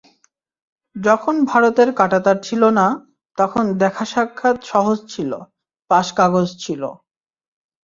যখন ভারতের কাঁটাতার ছিল না, তখন দেখা-সাক্ষাৎ সহজ ছিল, পাস-কাগজ ছিল।